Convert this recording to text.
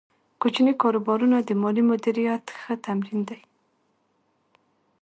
کوچني کاروبارونه د مالي مدیریت ښه تمرین دی۔